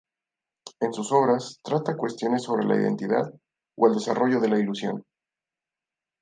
En sus obras trata cuestiones sobre la identidad o el desarrollo de la ilusión.